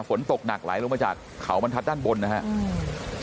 ฝนตกหนักไหลลงมาจากเขามันทัดด้านบนนะฮะอืม